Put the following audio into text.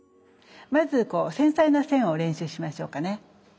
まず繊細な線を練習しましょうかね。